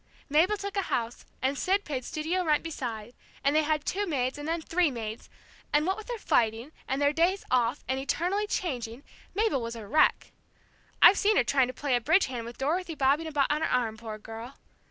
Mabel took a house, and Sid paid studio rent beside, and they had two maids, and then three maids, and what with their fighting, and their days off, and eternally changing, Mabel was a wreck. I've seen her trying to play a bridge hand with Dorothy bobbing about on her arm poor girl!